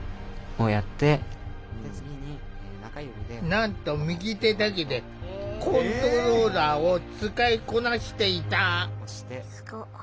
なんと右手だけでコントローラーを使いこなしていた。